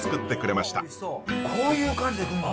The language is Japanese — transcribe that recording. こういう感じで来るんだ。